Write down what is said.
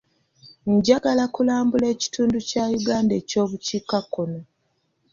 Njagala okulambuula ekitundu kya Uganda eky'obukiikakkono.